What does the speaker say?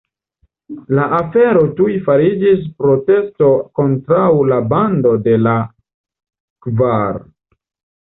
La afero tuj fariĝis protesto kontraŭ la Bando de la Kvar.